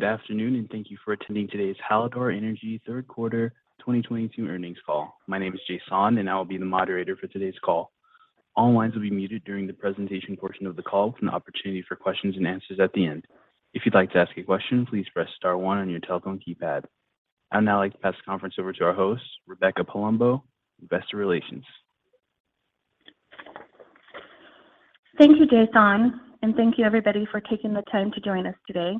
Good afternoon, and thank you for attending today's Hallador Energy third quarter 2022 earnings call. My name is Jason, and I will be the moderator for today's call. All lines will be muted during the presentation portion of the call with an opportunity for questions and answers at the end. If you'd like to ask a question, please press star one on your telephone keypad. I'd now like to pass the conference over to our host, Rebecca Palumbo, Investor Relations. Thank you, Jason. Thank you everybody for taking the time to join us today.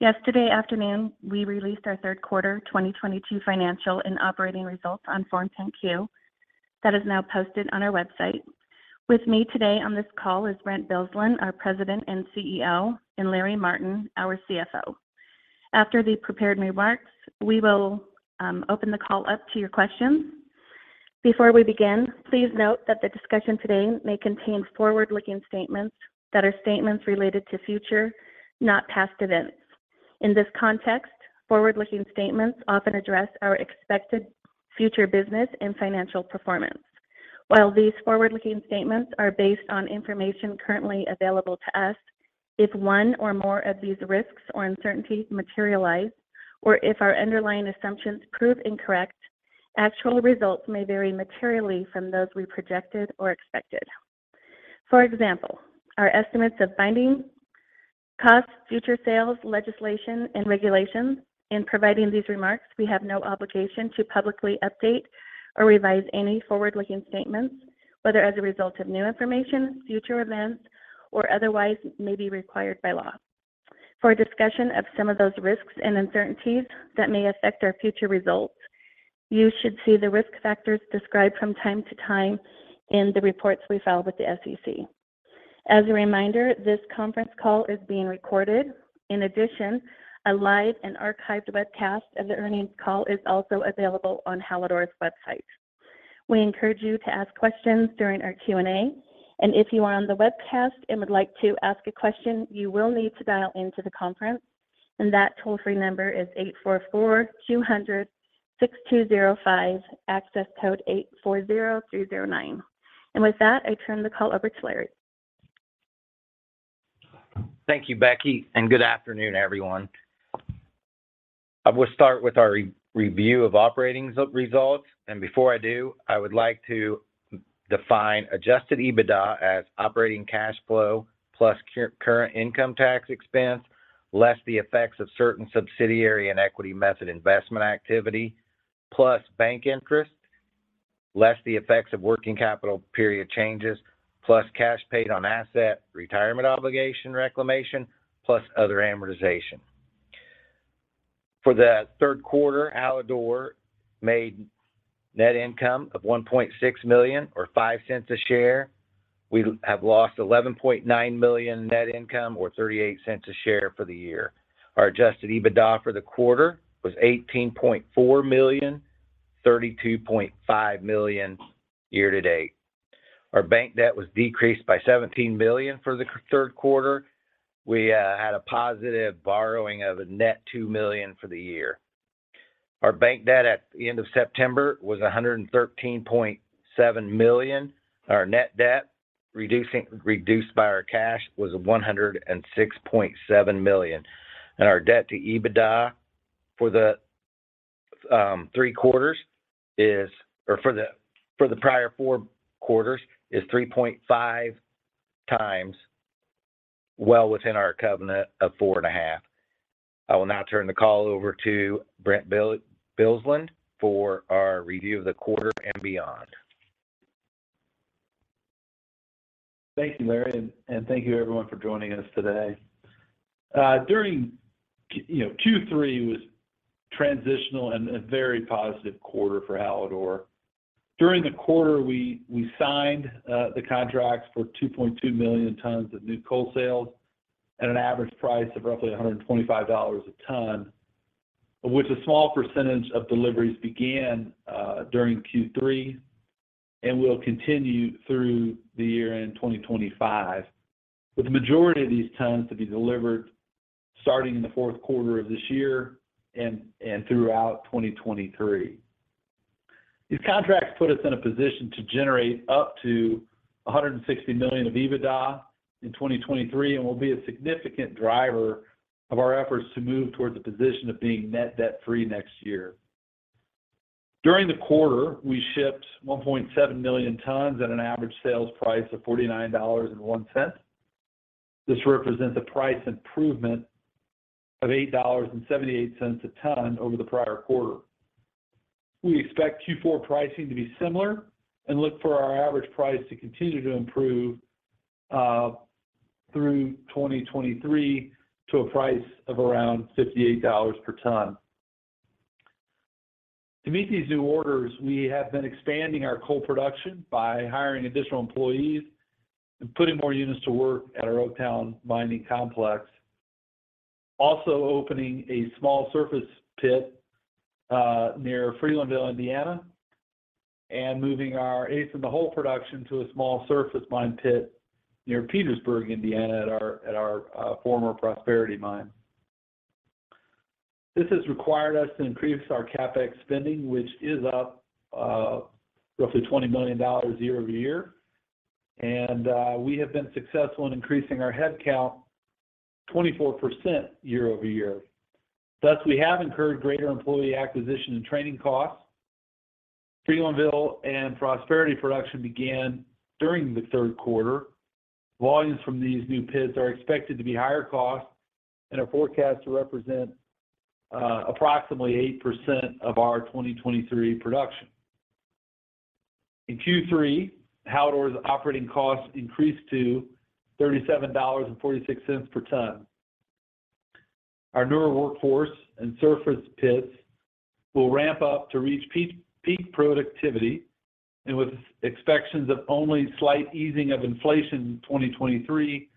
Yesterday afternoon, we released our third quarter 2022 financial and operating results on Form 10-Q. That is now posted on our website. With me today on this call is Brent Bilsland, our President and CEO, and Larry Martin, our CFO. After the prepared remarks, we will open the call up to your questions. Before we begin, please note that the discussion today may contain forward-looking statements that are statements related to future, not past events. In this context, forward-looking statements often address our expected future business and financial performance. While these forward-looking statements are based on information currently available to us, if one or more of these risks or uncertainties materialize, or if our underlying assumptions prove incorrect, actual results may vary materially from those we projected or expected. For example, our estimates of financing costs, future sales, legislation, and regulations. In providing these remarks, we have no obligation to publicly update or revise any forward-looking statements, whether as a result of new information, future events, or otherwise as may be required by law. For a discussion of some of those risks and uncertainties that may affect our future results, you should see the risk factors described from time to time in the reports we file with the SEC. As a reminder, this conference call is being recorded. In addition, a live and archived webcast of the earnings call is also available on Hallador's website. We encourage you to ask questions during our Q&A. If you are on the webcast and would like to ask a question, you will need to dial into the conference, and that toll-free number is 844-206-205, access code 840309. With that, I turn the call over to Larry. Thank you, Becky, and good afternoon, everyone. I will start with our review of operating results. Before I do, I would like to define adjusted EBITDA as operating cash flow plus current income tax expense, less the effects of certain subsidiary and equity method investment activity, plus bank interest, less the effects of working capital period changes, plus cash paid on asset retirement obligation reclamation, plus other amortization. For the third quarter, Hallador made net income of $1.6 million or $0.05 a share. We have lost $11.9 million net income or $0.38 a share for the year. Our adjusted EBITDA for the quarter was $18.4 million, $32.5 million year-to-date. Our bank debt was decreased by $17 million for the third quarter. We had a positive borrowing of a net $2 million for the year. Our bank debt at the end of September was $113.7 million. Our net debt, reduced by our cash was $106.7 million. Our debt to EBITDA for the prior four quarters is 3.5x well within our covenant of 4.5x. I will now turn the call over to Brent Bilsland for our review of the quarter and beyond. Thank you, Larry, and thank you everyone for joining us today. You know, Q3 was transitional and a very positive quarter for Hallador. During the quarter, we signed the contracts for 2.2 million tons of new coal sales at an average price of roughly $125 a ton, of which a small percentage of deliveries began during Q3 and will continue through the year-end 2025, with the majority of these tons to be delivered starting in the fourth quarter of this year and throughout 2023. These contracts put us in a position to generate up to $160 million of EBITDA in 2023 and will be a significant driver of our efforts to move towards a position of being net debt-free next year. During the quarter, we shipped 1.7 million tons at an average sales price of $49.01. This represents a price improvement of $8.78 a ton over the prior quarter. We expect Q4 pricing to be similar and look for our average price to continue to improve through 2023 to a price of around $58 per ton. To meet these new orders, we have been expanding our coal production by hiring additional employees and putting more units to work at our Oaktown mining complex. Also opening a small surface pit near Freelandville, Indiana, and moving our eighth and the whole production to a small surface mine pit near Petersburg, Indiana, at our former Prosperity Mine. This has required us to increase our CapEx spending, which is up roughly $20 million year-over-year. We have been successful in increasing our headcount 24% year-over-year. Thus, we have incurred greater employee acquisition and training costs. Freelandville and Prosperity production began during the third quarter. Volumes from these new pits are expected to be higher cost and are forecast to represent approximately 8% of our 2023 production. In Q3, Hallador's operating costs increased to $37.46 per ton. Our newer workforce and surface pits will ramp up to reach peak productivity and with expectations of only slight easing of inflation in 2023,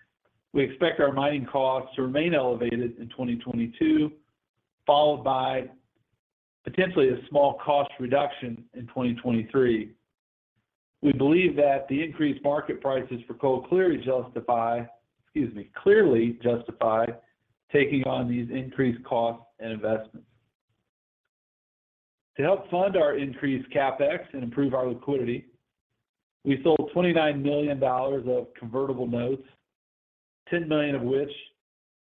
we expect our mining costs to remain elevated in 2022, followed by potentially a small cost reduction in 2023. We believe that the increased market prices for coal clearly justify taking on these increased costs and investments. To help fund our increased CapEx and improve our liquidity, we sold $29 million of convertible notes, $10 million of which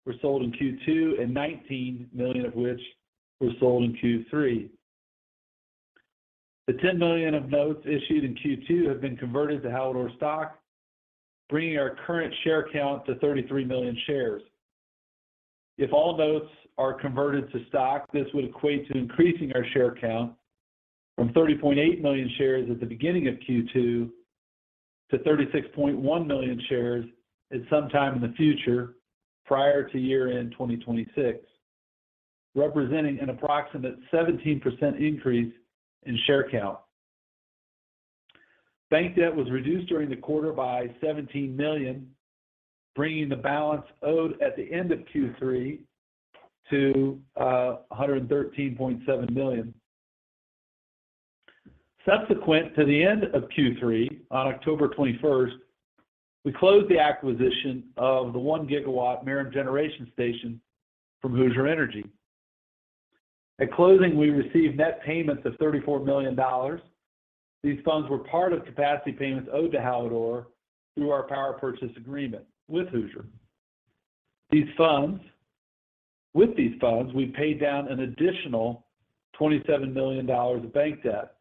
were sold in Q2 and $19 million of which were sold in Q3. The $10 million of notes issued in Q2 have been converted to Hallador stock, bringing our current share count to 33 million shares. If all notes are converted to stock, this would equate to increasing our share count from 30.8 million shares at the beginning of Q2 to 36.1 million shares at some time in the future prior to year-end 2026, representing an approximate 17% increase in share count. Bank debt was reduced during the quarter by $17 million, bringing the balance owed at the end of Q3 to $113.7 million. Subsequent to the end of Q3, on October 21st, we closed the acquisition of the 1 GW Merom Generating Station from Hoosier Energy. At closing, we received net payments of $34 million. These funds were part of capacity payments owed to Hallador through our power purchase agreement with Hoosier. With these funds, we paid down an additional $27 million of bank debt.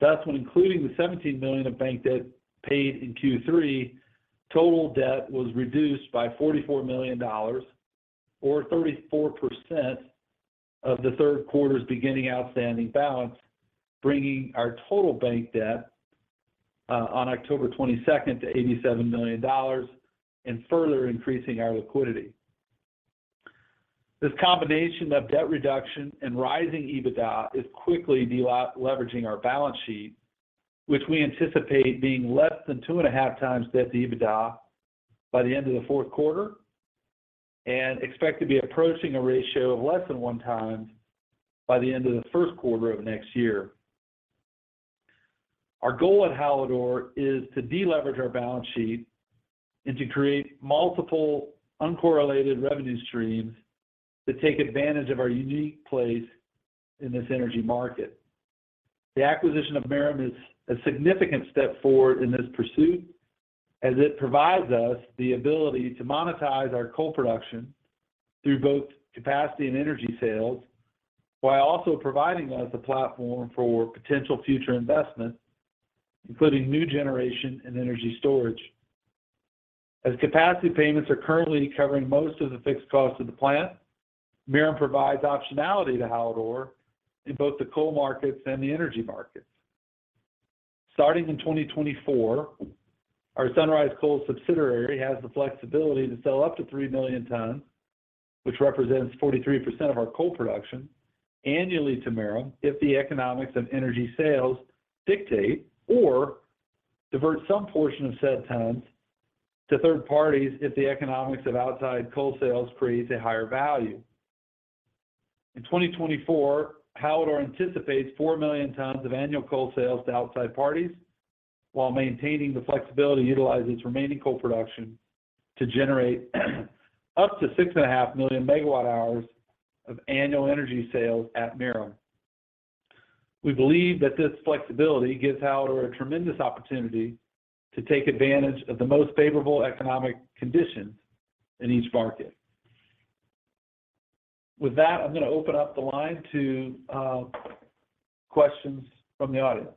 That's when including the $17 million of bank debt paid in Q3, total debt was reduced by $44 million or 34% of the third quarter's beginning outstanding balance, bringing our total bank debt on October 22nd to $87 million and further increasing our liquidity. This combination of debt reduction and rising EBITDA is quickly deleveraging our balance sheet, which we anticipate being less than 2.5x Debt to EBITDA by the end of the fourth quarter and expect to be approaching a ratio of less than 1x by the end of the first quarter of next year. Our goal at Hallador is to deleverage our balance sheet and to create multiple uncorrelated revenue streams that take advantage of our unique place in this energy market. The acquisition of Merom is a significant step forward in this pursuit as it provides us the ability to monetize our coal production through both capacity and energy sales, while also providing us a platform for potential future investment, including new generation and energy storage. As capacity payments are currently covering most of the fixed cost of the plant, Merom provides optionality to Hallador in both the coal markets and the energy markets. Starting in 2024, our Sunrise Coal subsidiary has the flexibility to sell up to 3 million tons, which represents 43% of our coal production annually to Merom if the economics of energy sales dictate or divert some portion of said tons to third parties if the economics of outside coal sales creates a higher value. In 2024, Hallador anticipates 4 million tons of annual coal sales to outside parties while maintaining the flexibility to utilize its remaining coal production to generate up to 6.5 million MWh of annual energy sales at Merom. We believe that this flexibility gives Hallador a tremendous opportunity to take advantage of the most favorable economic conditions in each market. With that, I'm gonna open up the line to questions from the audience.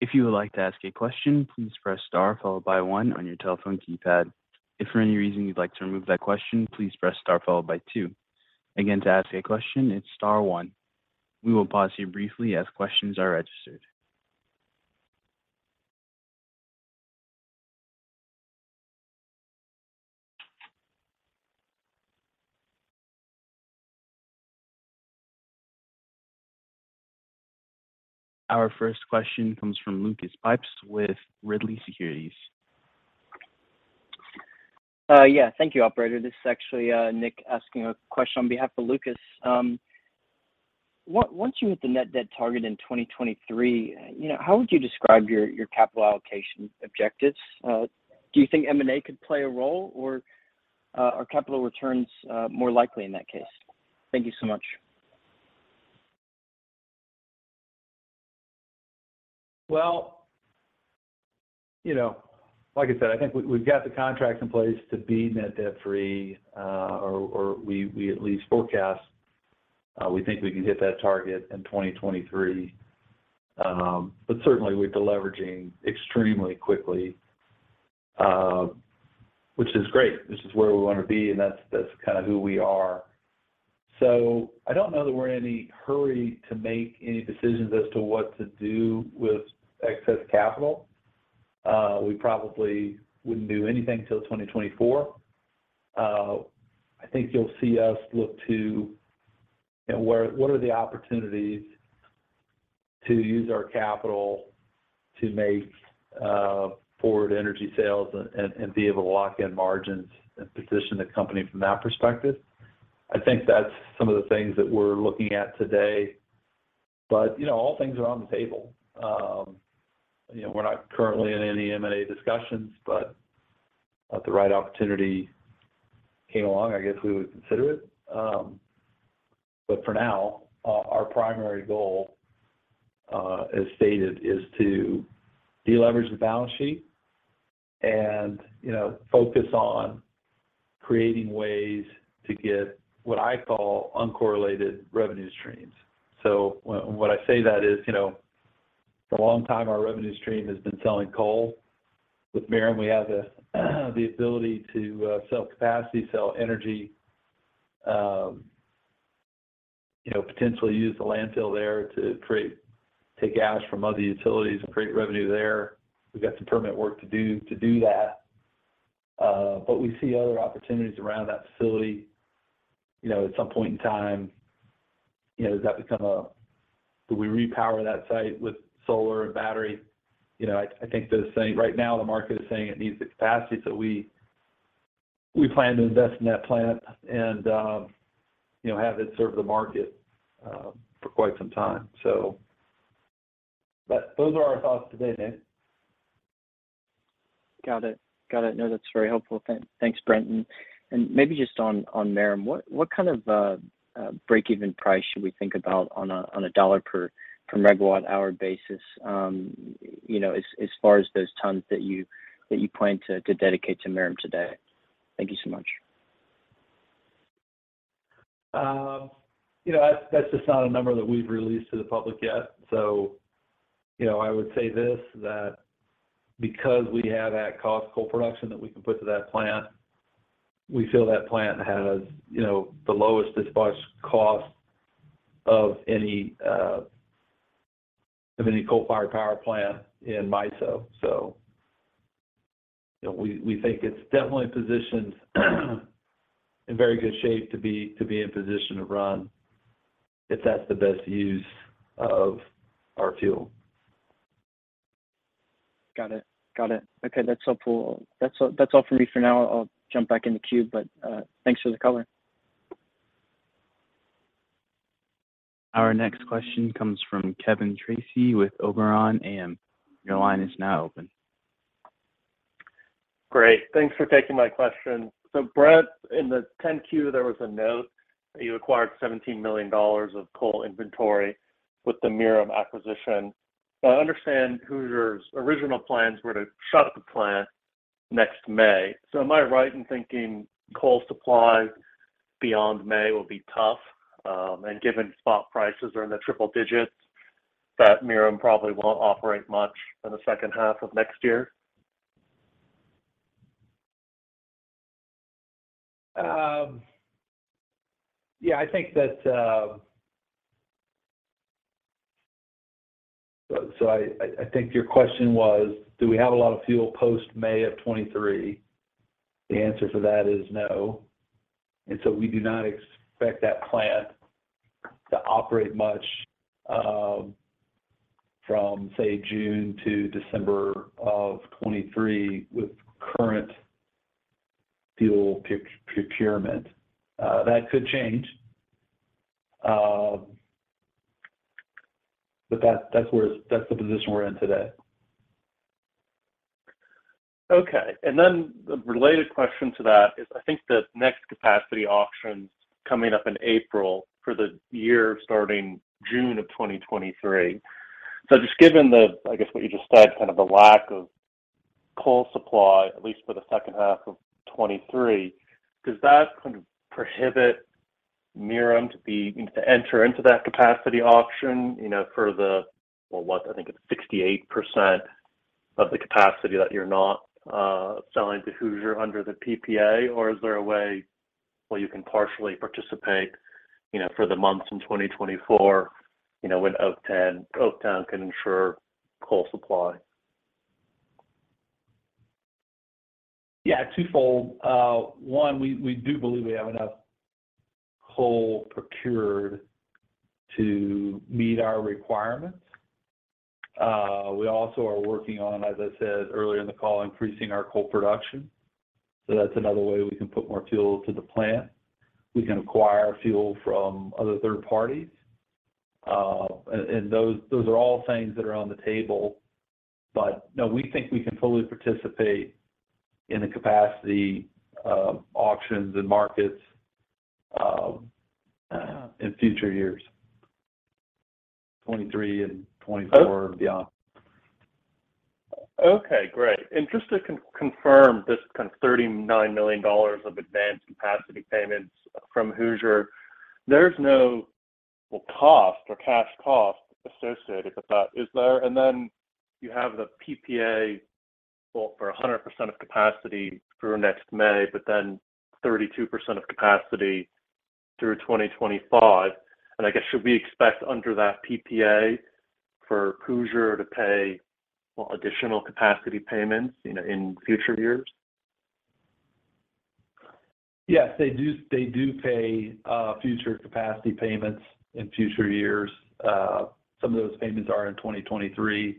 If you would like to ask a question, please press star followed by one on your telephone keypad. If for any reason you'd like to remove that question, please press star followed by two. Again, to ask a question, it's star one. We will pause here briefly as questions are registered. Our first question comes from Lucas Pipes with B. Riley Securities. Yeah. Thank you, operator. This is actually Nick asking a question on behalf of Lucas. Once you hit the net debt target in 2023, you know, how would you describe your capital allocation objectives? Do you think M&A could play a role or. Are capital returns more likely in that case? Thank you so much. Well, you know, like I said, I think we've got the contracts in place to be net debt free, or we at least forecast we think we can hit that target in 2023. Certainly we're deleveraging extremely quickly, which is great. This is where we wanna be, and that's kind of who we are. I don't know that we're in any hurry to make any decisions as to what to do with excess capital. We probably wouldn't do anything till 2024. I think you'll see us look to, you know, what are the opportunities to use our capital to make forward energy sales and be able to lock in margins and position the company from that perspective. I think that's some of the things that we're looking at today. You know, all things are on the table. you know, we're not currently in any M&A discussions, but if the right opportunity came along, I guess we would consider it. but for now, our primary goal, as stated, is to deleverage the balance sheet and, you know, focus on creating ways to get what I call uncorrelated revenue streams. when I say that is, you know, for a long time our revenue stream has been selling coal. With Merom, we have the ability to sell capacity, sell energy, you know, potentially use the landfill there to take ash from other utilities and create revenue there. We've got some permit work to do to do that. we see other opportunities around that facility. Do we repower that site with solar and battery? You know, I think they're saying right now the market is saying it needs the capacity, so we plan to invest in that plant and, you know, have it serve the market for quite some time. Those are our thoughts today, Nick. Got it. No, that's very helpful. Thanks, Brent. Maybe just on Merom, what kind of a break-even price should we think about on a dollar per megawatt hour basis, as far as those tons that you plan to dedicate to Merom today? Thank you so much. You know, that's just not a number that we've released to the public yet. You know, I would say this, that because we have at-cost coal production that we can put to that plant, we feel that plant has, you know, the lowest dispatch cost of any coal-fired power plant in MISO. You know, we think it's definitely positioned in very good shape to be in position to run if that's the best use of our fuel. Got it. Okay. That's helpful. That's all from me for now. I'll jump back in the queue, but thanks for the color. Our next question comes from Kevin Tracey with Oberon AM. Your line is now open. Great. Thanks for taking my question. Brent, in the 10-Q, there was a note that you acquired $17 million of coal inventory with the Merom acquisition. I understand Hoosier's original plans were to shut the plant next May. Am I right in thinking coal supply beyond May will be tough, and given spot prices are in the triple digits, that Merom probably won't operate much in the second half of next year? Yeah, I think your question was, do we have a lot of fuel post-May 2023? The answer to that is no. We do not expect that plant to operate much from, say, June to December 2023 with current fuel procurement. That could change, but that's the position we're in today. Okay. The related question to that is I think the next capacity auction's coming up in April for the year starting June of 2023. Just given the, I guess, what you just said, kind of the lack of coal supply, at least for the second half of 2023, does that kind of prohibit Merom to enter into that capacity auction, you know, for the, well, what, I think it's 68% of the capacity that you're not selling to Hoosier under the PPA? Or is there a way where you can partially participate, you know, for the months in 2024, you know, when Oaktown can ensure coal supply? Yeah, twofold. One, we do believe we have enough coal procured to meet our requirements. We also are working on, as I said earlier in the call, increasing our coal production. That's another way we can put more fuel to the plant. We can acquire fuel from other third parties. Those are all things that are on the table. No, we think we can fully participate in the capacity of auctions and markets in future years, 2023 and 2024. Oh. Yeah. Okay, great. Just to confirm this kind of $39 million of advanced capacity payments from Hoosier, there's no, well, cost or cash cost associated with that, is there? Then you have the PPA built for 100% of capacity through next May, but then 32% of capacity through 2025. I guess should we expect under that PPA for Hoosier to pay, well, additional capacity payments, you know, in future years? Yes. They do pay future capacity payments in future years. Some of those payments are in 2023.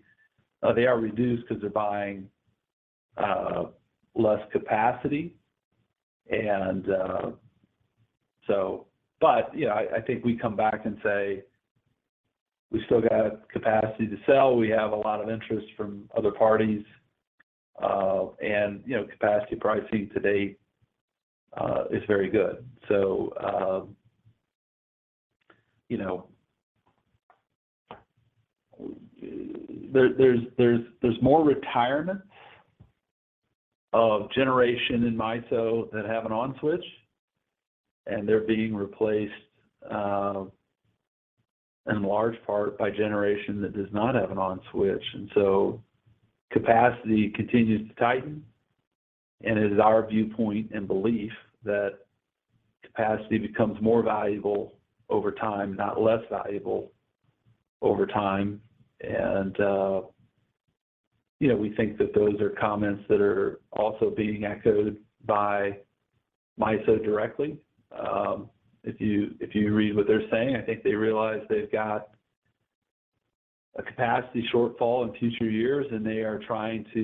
They are reduced because they're buying less capacity and so. But yeah, I think we come back and say we've still got capacity to sell. We have a lot of interest from other parties, and you know, capacity pricing to date is very good. You know, there's more retirement of generation in MISO that have an on switch, and they're being replaced in large part by generation that does not have an on switch. Capacity continues to tighten, and it is our viewpoint and belief that capacity becomes more valuable over time, not less valuable over time. You know, we think that those are comments that are also being echoed by MISO directly. If you read what they're saying, I think they realize they've got a capacity shortfall in future years, and they are trying to,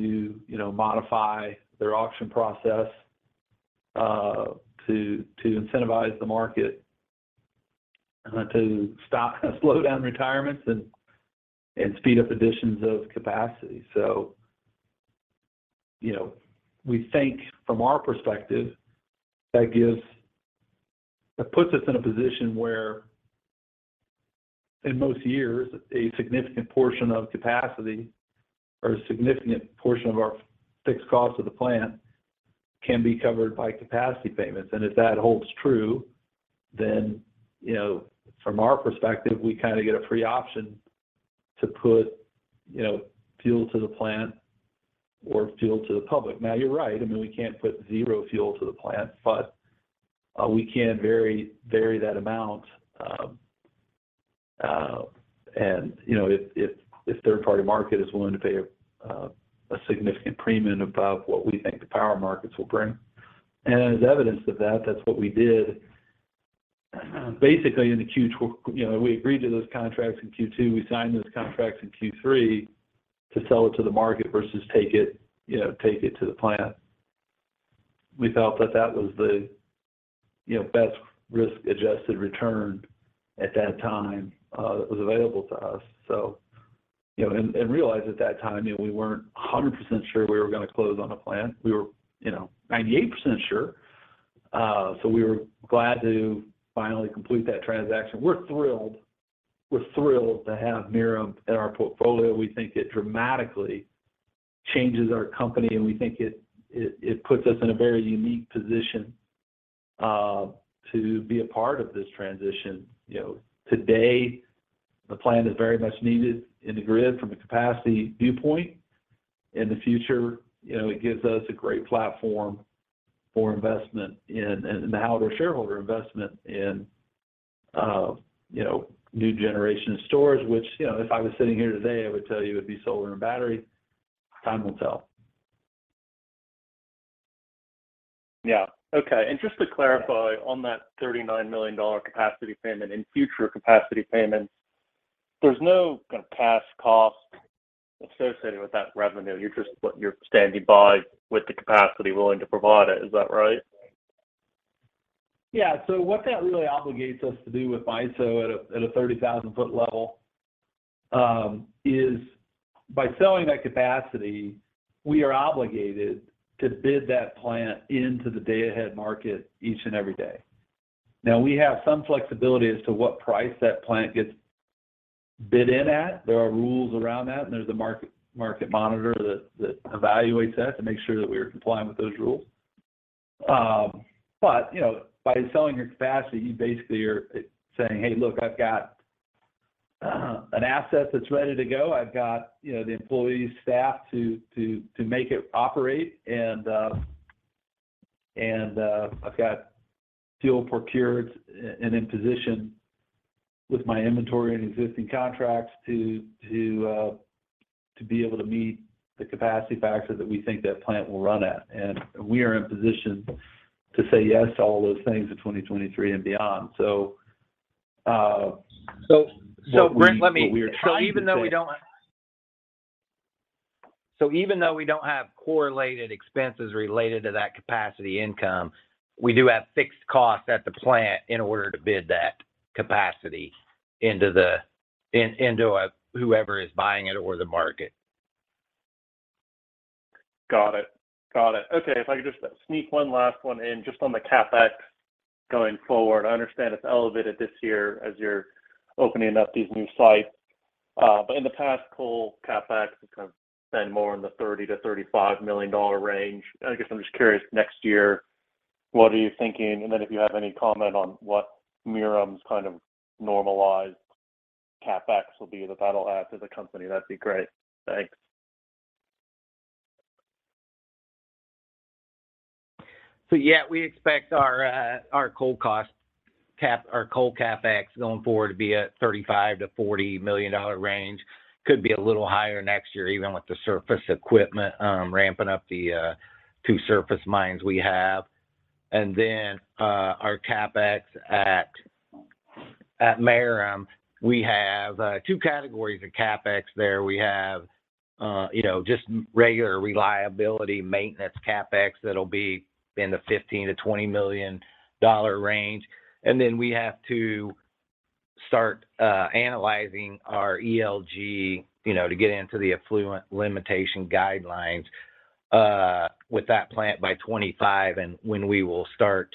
you know, modify their auction process to incentivize the market to slow down retirements and speed up additions of capacity. You know, we think from our perspective, that puts us in a position where in most years, a significant portion of capacity or a significant portion of our fixed cost of the plant can be covered by capacity payments. If that holds true, then, you know, from our perspective, we kind of get a free option to put, you know, fuel to the plant or fuel to the public. Now, you're right. I mean, we can't put zero fuel to the plant, but we can vary that amount. You know, if third-party market is willing to pay a significant premium above what we think the power markets will bring. As evidence of that's what we did. Basically, in the Q2, you know, we agreed to those contracts in Q2. We signed those contracts in Q3 to sell it to the market versus take it, you know, take it to the plant. We felt that that was the, you know, best risk-adjusted return at that time, that was available to us. You know, realize at that time, you know, we weren't 100% sure we were going to close on the plant. We were, you know, 98% sure. We were glad to finally complete that transaction. We're thrilled to have Merom in our portfolio. We think it dramatically changes our company, and we think it puts us in a very unique position to be a part of this transition. You know, today, the plant is very much needed in the grid from a capacity viewpoint. In the future, you know, it gives us a great platform for investment in and to have our shareholder investment in, you know, new generation sources, which, you know, if I was sitting here today, I would tell you it'd be solar and battery. Time will tell. Yeah. Okay. Just to clarify on that $39 million capacity payment and future capacity payments, there's no kind of cash cost associated with that revenue. You're just standing by with the capacity willing to provide it. Is that right? Yeah. What that really obligates us to do with MISO at a 30,000-foot level is by selling that capacity, we are obligated to bid that plant into the day-ahead market each and every day. Now, we have some flexibility as to what price that plant gets bid in at. There are rules around that, and there's a market monitor that evaluates that to make sure that we are complying with those rules. But you know, by selling your capacity, you basically are saying, "Hey, look, I've got an asset that's ready to go. I've got, you know, the employees, staff to make it operate, and I've got fuel procured and in position with my inventory and existing contracts to be able to meet the capacity factor that we think that plant will run at." We are in position to say yes to all those things in 2023 and beyond. What we are trying to say- Brent, even though we don't. Even though we don't have correlated expenses related to that capacity income, we do have fixed costs at the plant in order to bid that capacity into whoever is buying it or the market. Got it. Okay. If I could just sneak one last one in just on the CapEx going forward. I understand it's elevated this year as you're opening up these new sites. In the past coal CapEx has kind of been more in the $30 million-$35 million range. I guess I'm just curious next year, what are you thinking? If you have any comment on what Merom's kind of normalized CapEx will be that'll add to the company, that'd be great. Thanks. Yeah, we expect our coal CapEx going forward to be at $35 million-$40 million range. Could be a little higher next year, even with the surface equipment ramping up the two surface mines we have. Our CapEx at Merom, we have two categories of CapEx there. We have you know, just regular reliability maintenance CapEx that'll be in the $15 million-$20 million range. We have to start analyzing our ELG you know, to get into the effluent limitation guidelines with that plant by 2025 and when we will start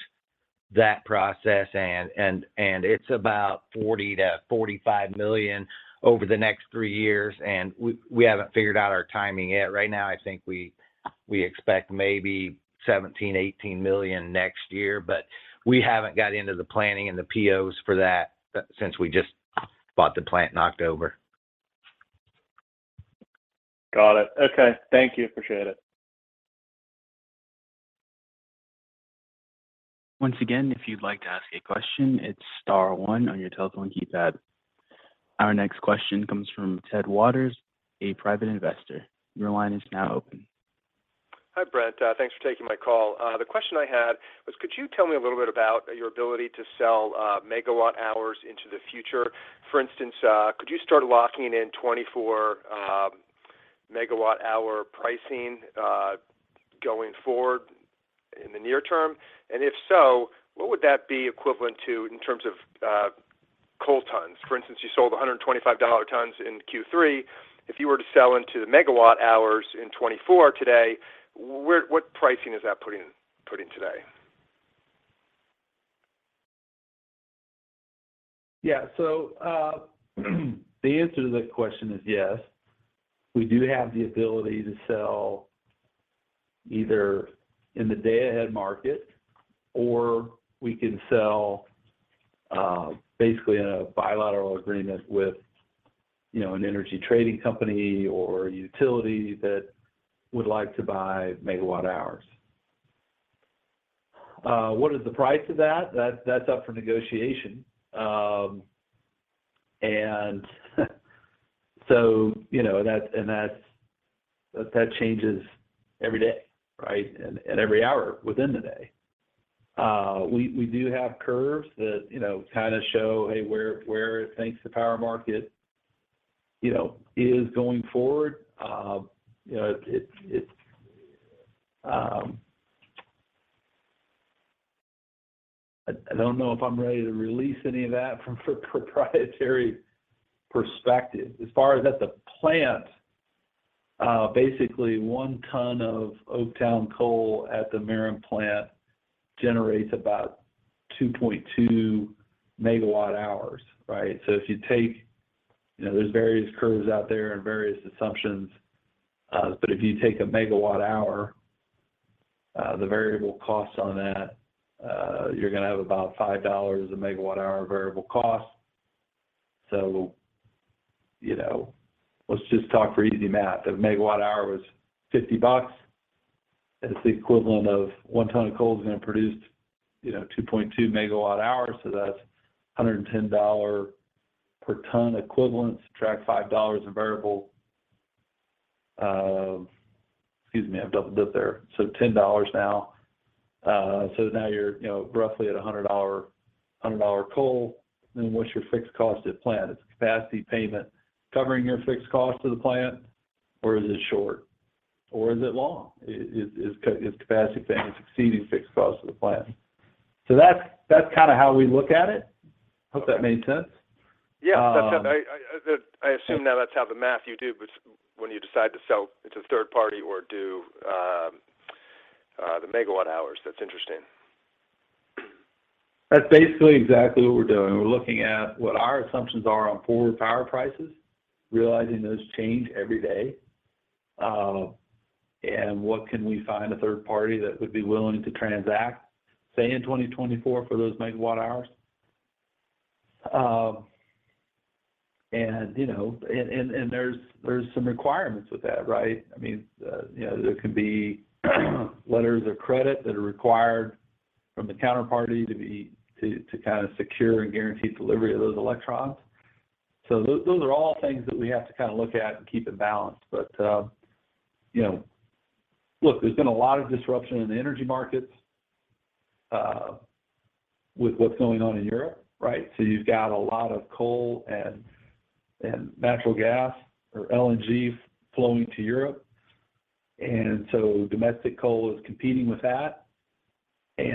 that process and it's about $40 million-$45 million over the next three years. We haven't figured out our timing yet. Right now, I think we expect maybe $17 million-$18 million next year, but we haven't got into the planning and the POs for that since we just bought the plant in October. Got it. Okay. Thank you. Appreciate it. Once again, if you'd like to ask a question, it's star one on your telephone keypad. Our next question comes from Ted Waters, a private investor. Your line is now open. Hi, Brent. Thanks for taking my call. The question I had was, could you tell me a little bit about your ability to sell megawatt hours into the future? For instance, could you start locking in 2024 megawatt hours pricing going forward in the near term? And if so, what would that be equivalent to in terms of coal tons? For instance, you sold $125 dollar tons in Q3. If you were to sell into the megawatt hours in 2024 today, what pricing is that putting today? Yeah. The answer to that question is yes. We do have the ability to sell either in the day-ahead market, or we can sell basically in a bilateral agreement with, you know, an energy trading company or a utility that would like to buy megawatt hours. What is the price of that? That's up for negotiation. You know, that changes every day, right? Every hour within the day. We do have curves that, you know, kind of show, hey, where it thinks the power market, you know, is going forward. You know, it's. I don't know if I'm ready to release any of that from proprietary perspective. As far as at the plant, basically 1 ton of Oaktown coal at the Merom plant generates about 2.2 MWh, right? If you take, you know, there's various curves out there and various assumptions, but if you take a megawatt hours, the variable cost on that, you're gonna have about $5/MWh variable cost. You know, let's just talk for easy math. If a megawatt hours was $50, and it's the equivalent of 1 ton of coal is gonna produce, you know, 2.2 MWh, so that's a $110 per ton equivalent. Subtract $5 in variable. Excuse me, I've double dip there. So $10 now. Now you're, you know, roughly at a $100, $100 coal. Then what's your fixed cost at plant? Is the capacity payment covering your fixed cost to the plant or is it short or is it long? Is capacity payment exceeding fixed cost to the plant? That's kinda how we look at it. Hope that made sense. Yeah. That I assume now that's how the math you do when you decide to sell it to a third party or do the megawatt hours. That's interesting. That's basically exactly what we're doing. We're looking at what our assumptions are on forward power prices, realizing those change every day, and what can we find a third party that would be willing to transact, say in 2024 for those megawatt hours. You know, there's some requirements with that, right? I mean, you know, there could be letters of credit that are required from the counterparty to kind of secure and guarantee delivery of those electrons. Those are all things that we have to kind of look at and keep it balanced. You know, look, there's been a lot of disruption in the energy markets with what's going on in Europe, right? You've got a lot of coal and natural gas or LNG flowing to Europe. Domestic coal is competing with that. You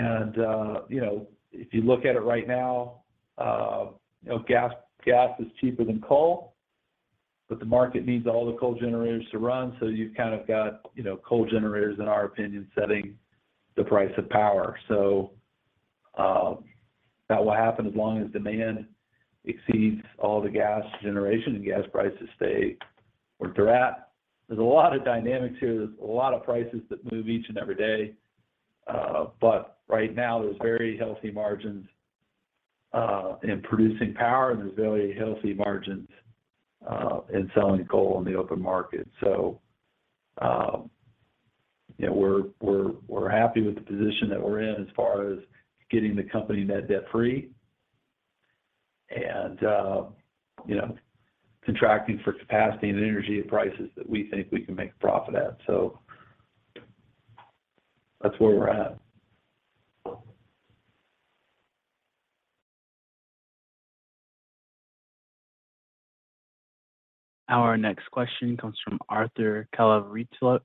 know, if you look at it right now, you know, gas is cheaper than coal, but the market needs all the coal generators to run. You've kind of got, you know, coal generators, in our opinion, setting the price of power. That will happen as long as demand exceeds all the gas generation and gas prices stay where they're at. There's a lot of dynamics here. There's a lot of prices that move each and every day. But right now there's very healthy margins in producing power, and there's very healthy margins in selling coal on the open market. You know, we're happy with the position that we're in as far as getting the company net debt-free and, you know, contracting for capacity and energy at prices that we think we can make profit at. That's where we're at. Our next question comes from Arthur Calavritinos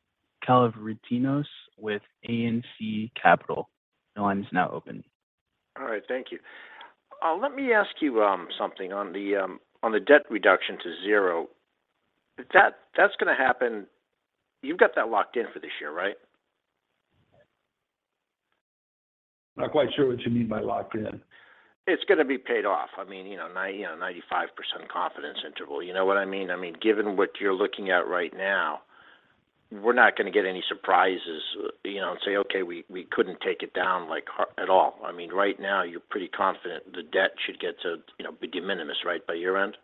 with ANC Capital. Your line is now open. All right. Thank you. Let me ask you something on the debt reduction to zero. That's gonna happen. You've got that locked in for this year, right? Not quite sure what you mean by locked in. It's gonna be paid off. I mean, you know, 95% confidence interval. You know what I mean? I mean, given what you're looking at right now, we're not gonna get any surprises, you know, and say, "Okay, we couldn't take it down, like, at all." I mean, right now, you're pretty confident the debt should get to, you know, be de minimis, right, by year-end?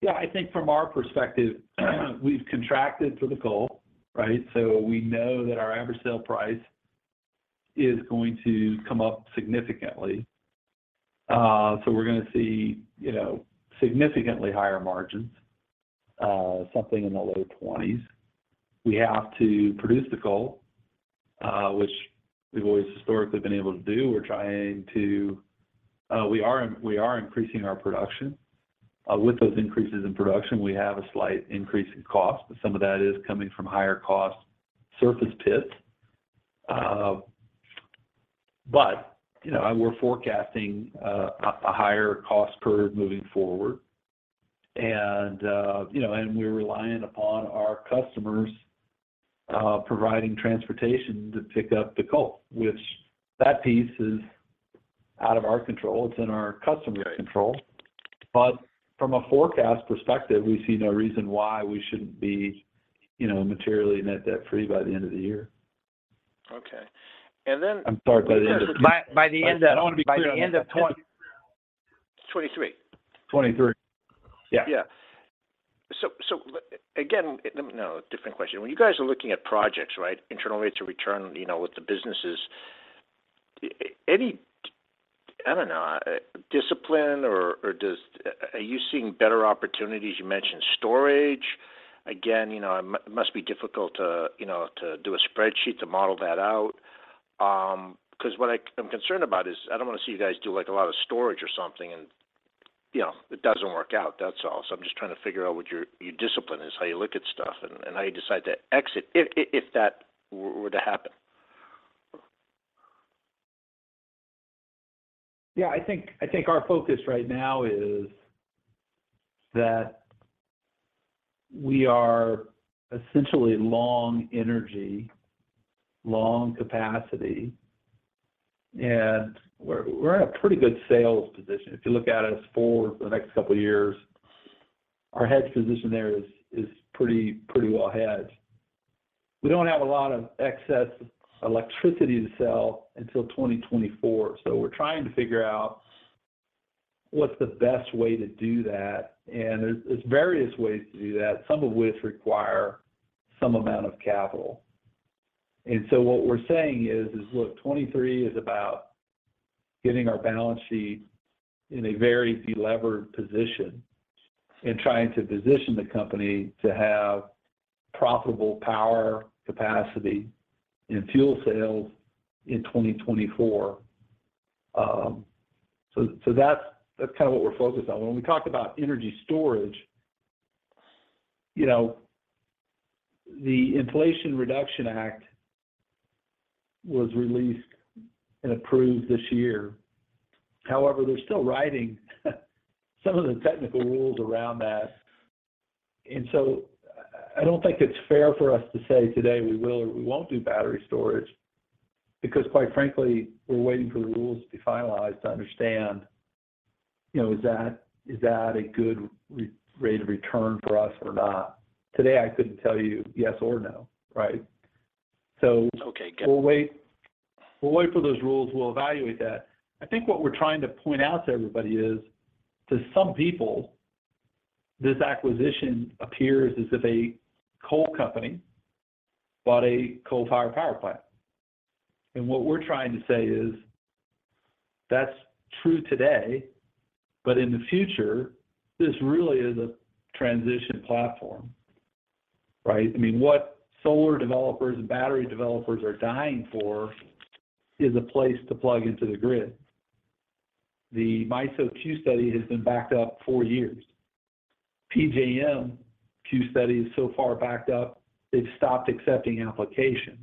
Yeah. I think from our perspective, we've contracted for the coal, right? We know that our average sale price is going to come up significantly. We're gonna see, you know, significantly higher margins, something in the low 20s%. We have to produce the coal, which we've always historically been able to do. We are increasing our production. With those increases in production, we have a slight increase in cost, but some of that is coming from higher cost surface pits. You know, we're forecasting a higher cost per ton moving forward. You know, we're reliant upon our customers providing transportation to pick up the coal, which that piece is out of our control. It's in our customers' control. From a forecast perspective, we see no reason why we shouldn't be, you know, materially net debt-free by the end of the year. Okay. I'm sorry. By the end of. I wanna be clear on that. By the end of 20. 2023. 2023. Yeah. When you guys are looking at projects, right, internal rates of return, you know, with the businesses, any, I don't know, discipline or are you seeing better opportunities? You mentioned storage. Again, you know, it must be difficult to, you know, to do a spreadsheet to model that out. 'Cause what I'm concerned about is I don't wanna see you guys do, like, a lot of storage or something and, you know, it doesn't work out. That's all. I'm just trying to figure out what your discipline is, how you look at stuff and how you decide to exit if that were to happen. Yeah. I think our focus right now is that we are essentially long energy, long capacity, and we're at a pretty good sales position. If you look at us forward for the next couple of years, our hedge position there is pretty well hedged. We don't have a lot of excess electricity to sell until 2024, so we're trying to figure out what's the best way to do that. There's various ways to do that, some of which require some amount of capital. What we're saying is look, 2023 is about getting our balance sheet in a very delevered position and trying to position the company to have profitable power capacity and fuel sales in 2024. That's kind of what we're focused on. When we talk about energy storage, you know, the Inflation Reduction Act was released and approved this year. However, they're still writing some of the technical rules around that. I don't think it's fair for us to say today we will or we won't do battery storage because quite frankly, we're waiting for the rules to be finalized to understand, you know, is that, is that a good rate of return for us or not? Today, I couldn't tell you yes or no. Right? Okay. We'll wait for those rules. We'll evaluate that. I think what we're trying to point out to everybody is, to some people, this acquisition appears as if a coal company bought a coal-fired power plant. What we're trying to say is that's true today, but in the future, this really is a transition platform, right? I mean, what solar developers and battery developers are dying for is a place to plug into the grid. The MISO queue study has been backed up four years. PJM queue study is so far backed up, they've stopped accepting applications.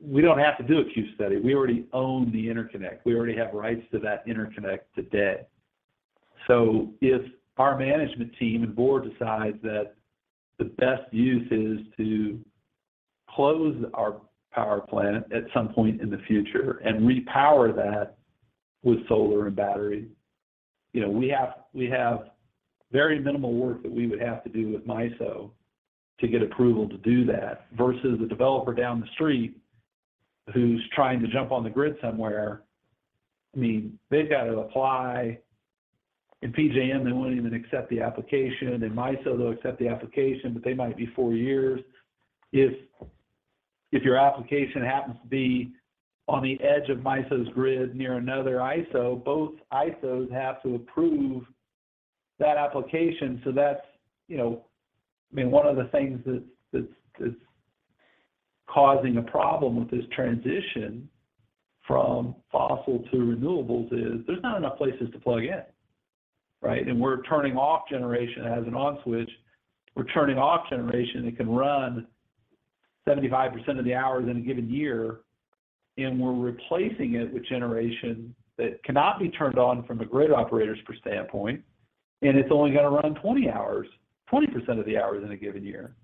We don't have to do a queue study. We already own the interconnect. We already have rights to that interconnect today. If our management team and board decides that the best use is to close our power plant at some point in the future and repower that with solar and battery, you know, we have very minimal work that we would have to do with MISO to get approval to do that versus the developer down the street who's trying to jump on the grid somewhere. I mean, they've got to apply. In PJM, they won't even accept the application. In MISO, they'll accept the application, but they might be four years. If your application happens to be on the edge of MISO's grid near another ISO, both ISOs have to approve that application. That's, you know, I mean, one of the things that's causing a problem with this transition from fossil to renewables is there's not enough places to plug in, right? We're turning off generation. It has an on switch. We're turning off generation that can run 75% of the hours in a given year, and we're replacing it with generation that cannot be turned on from a grid operator's standpoint, and it's only going to run 20 hours, 20% of the hours in a given year.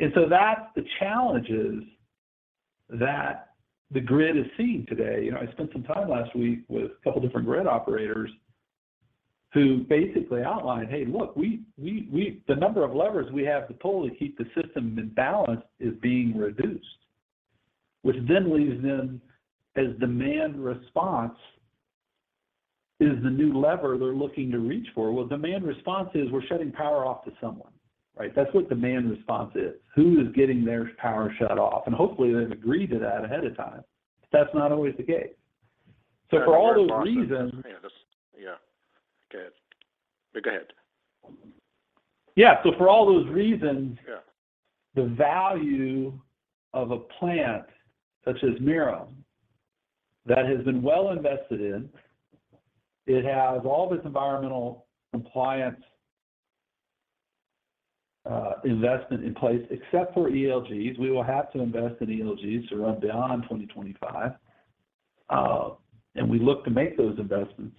That's the challenges that the grid is seeing today. You know, I spent some time last week with a couple different grid operators who basically outlined, "Hey, look, the number of levers we have to pull to keep the system in balance is being reduced." Which then leaves them as demand response is the new lever they're looking to reach for. Well, demand response is we're shutting power off to someone, right? That's what demand response is. Who is getting their power shut off? Hopefully, they've agreed to that ahead of time, but that's not always the case. For all those reasons. Yeah. Yeah. Okay. Go ahead. Yeah. For all those reasons. Yeah The value of a plant such as Merom that has been well invested in, it has all this environmental compliance investment in place, except for ELGs. We will have to invest in ELGs to run beyond 2025. We look to make those investments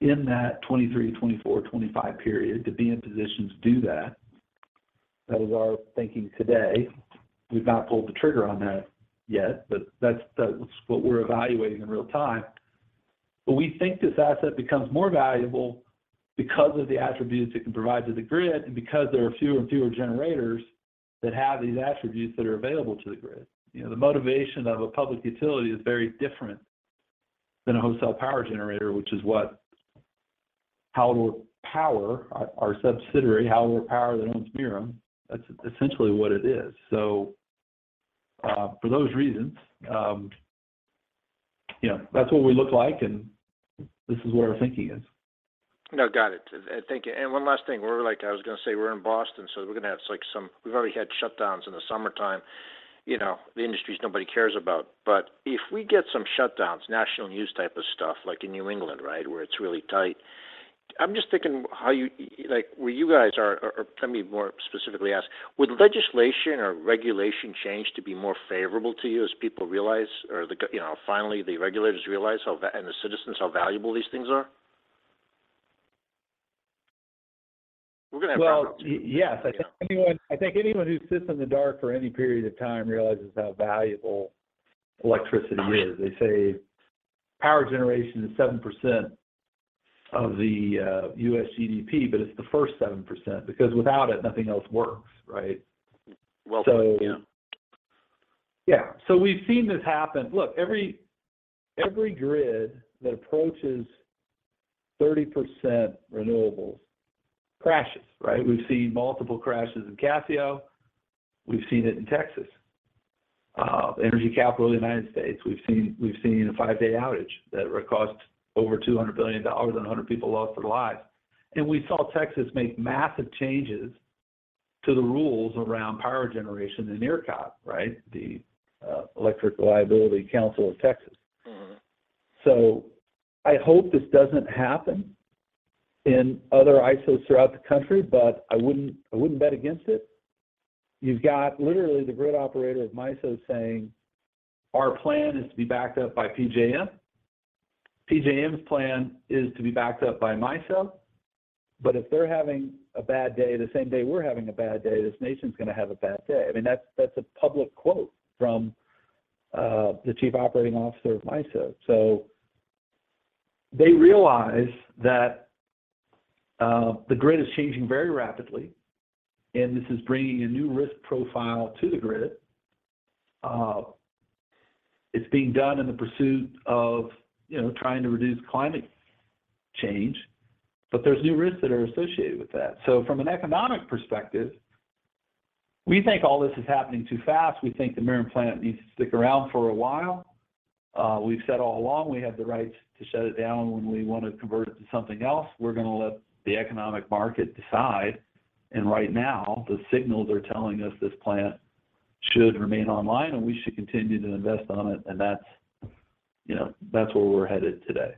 in that 2023, 2024, 2025 period to be in position to do that. That is our thinking today. We've not pulled the trigger on that yet, but that's what we're evaluating in real time. We think this asset becomes more valuable because of the attributes it can provide to the grid and because there are fewer and fewer generators that have these attributes that are available to the grid. You know, the motivation of a public utility is very different than a wholesale power generator, which is what Hallador Power, our subsidiary, Hallador Power that owns Merom, that's essentially what it is. For those reasons, you know, that's what we look like, and this is where our thinking is. No, got it. Thank you. One last thing. We're like, I was gonna say, we're in Boston, so we're gonna have like some. We've already had shutdowns in the summertime, you know, the industries nobody cares about. But if we get some shutdowns, national news type of stuff, like in New England, right? Where it's really tight. I'm just thinking how you, like, where you guys are, let me more specifically ask. Would legislation or regulation change to be more favorable to you as people realize or, you know, finally the regulators realize how, and the citizens, how valuable these things are? We're gonna have problems. Well, yes. I think anyone who sits in the dark for any period of time realizes how valuable electricity is. They say power generation is 7% of the U.S. GDP, but it's the first 7% because without it, nothing else works, right? Welcome, yeah. Yeah. We've seen this happen. Look, every grid that approaches 30% renewables crashes, right? We've seen multiple crashes in CAISO. We've seen it in Texas, the energy capital of the United States. We've seen a five-day outage that cost over $200 billion and 100 people lost their lives. We saw Texas make massive changes to the rules around power generation in ERCOT, right? The Electric Reliability Council of Texas. Mm-hmm. I hope this doesn't happen in other ISOs throughout the country, but I wouldn't bet against it. You've got literally the grid operator of MISO saying, "Our plan is to be backed up by PJM. PJM's plan is to be backed up by MISO. But if they're having a bad day the same day we're having a bad day, this nation's gonna have a bad day." I mean, that's a public quote from the chief operating officer of MISO. They realize that the grid is changing very rapidly and this is bringing a new risk profile to the grid. It's being done in the pursuit of, you know, trying to reduce climate change, but there's new risks that are associated with that. From an economic perspective, we think all this is happening too fast. We think the Merom plant needs to stick around for a while. We've said all along we have the right to shut it down when we want to convert it to something else. We're going to let the economic market decide. Right now, the signals are telling us this plant should remain online, and we should continue to invest on it. That's, you know, that's where we're headed today.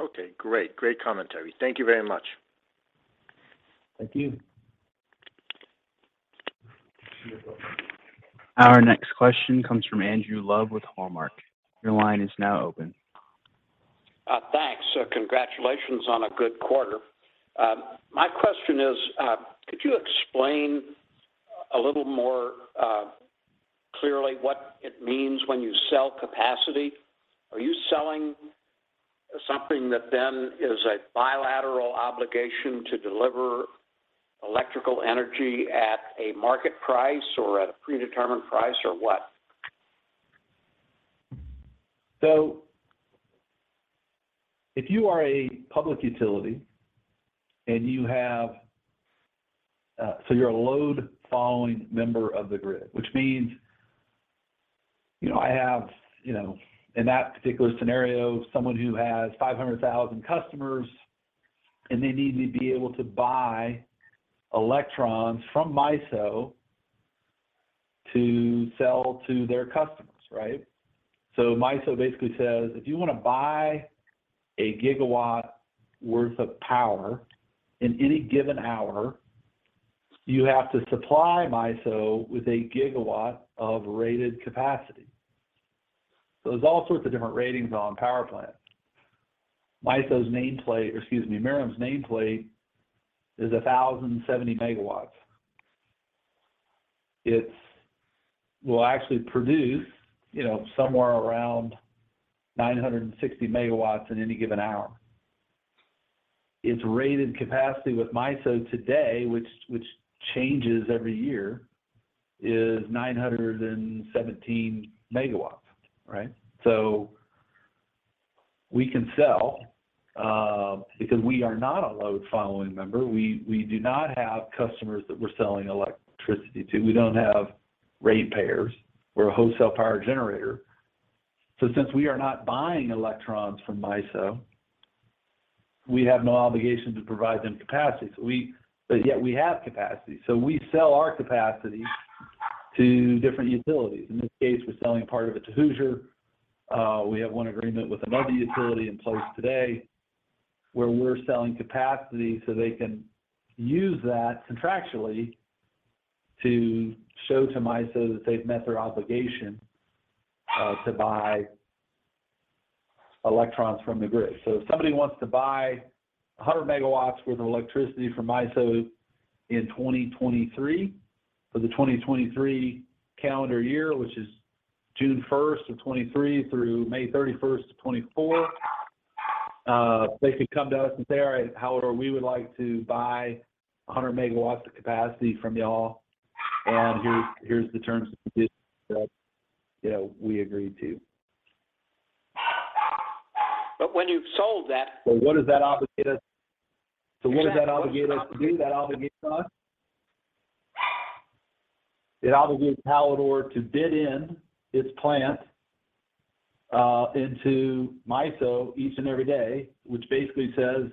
Okay, great. Great commentary. Thank you very much. Thank you. Our next question comes from Andrew Love with Hallmark. Your line is now open. Thanks. Congratulations on a good quarter. My question is, could you explain a little more clearly what it means when you sell capacity? Are you selling something that then is a bilateral obligation to deliver electrical energy at a market price or at a predetermined price or what? You're a load following member of the grid, which means, you know, I have, you know, in that particular scenario, someone who has 500,000 customers, and they need to be able to buy electrons from MISO to sell to their customers, right? MISO basically says, "If you want to buy a gigawatt worth of power in any given hour, you have to supply MISO with a gigawatts of rated capacity." There's all sorts of different ratings on power plants. Merom's nameplate is 1,070 MW. It will actually produce, you know, somewhere around 960 MW in any given hour. Its rated capacity with MISO today, which changes every year, is 917 MW, right? We can sell because we are not a load following member. We do not have customers that we're selling electricity to. We don't have rate payers. We're a wholesale power generator. Since we are not buying electrons from MISO, we have no obligation to provide them capacity. Yet we have capacity. We sell our capacity to different utilities. In this case, we're selling part of it to Hoosier. We have one agreement with another utility in place today where we're selling capacity, so they can use that contractually to show to MISO that they've met their obligation to buy electrons from the grid. If somebody wants to buy 100 MW worth of electricity from MISO in 2023, for the 2023 calendar year, which is June 1st, 2023 through May 31st, 2024, they could come to us and say, "All right, Hallador, we would like to buy 100 MW of capacity from y'all, and here's the terms of the deal," that you know we agree to.en you've sold that. What does that obligate us? What does that obligate us to do? That obligates us? It obligates Hallador to bid in its plant into MISO each and every day, which basically says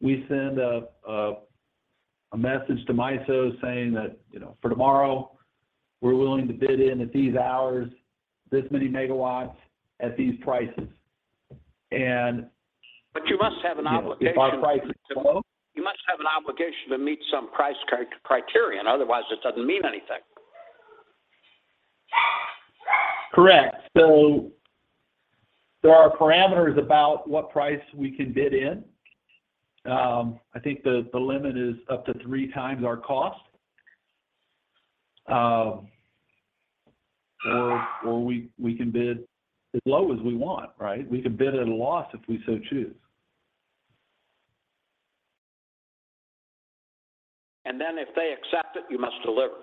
we send a message to MISO saying that, you know, for tomorrow, we're willing to bid in at these hours this many megawatts at these prices. You must have an obligation. If our price is low. You must have an obligation to meet some price criterion, otherwise it doesn't mean anything. Correct. There are parameters about what price we can bid in. I think the limit is up to three times our cost. Or we can bid as low as we want, right? We could bid at a loss if we so choose. If they accept it, you must deliver.